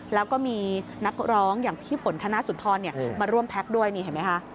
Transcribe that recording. แล้วก็มีนักร้องอย่างพี่ฝนธนสุนทรมาร่วมแพ็คด้วยนี่เห็นไหมคะ